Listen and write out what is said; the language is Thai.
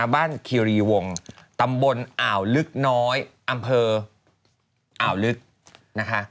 บ้านคิรีวงตำบลอ่าวลึกน้อยอำเภออ่าวลึก